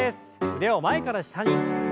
腕を前から下に。